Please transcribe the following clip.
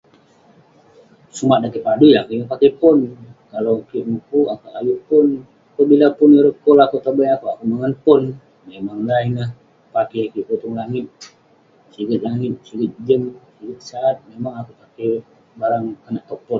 Sumak dan kik padui akouk yeng pakey pon. Kalau kek mukuk, akouk ayuk pon. Pabila pun ireh pon akouk, tobai akouk ; akouk mongen pon. Memang lah ineh pakey kik putung langit. Siget langit, siget jem, siget saat, memang akouk pakey barang konak tog pon.